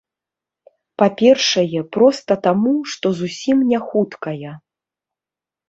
Па-першае, проста таму, што зусім не хуткая.